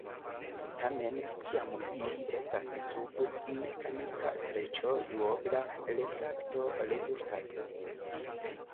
Tamen, kiam ili estas sub mekanika streĉo, duobla refrakto rezultas.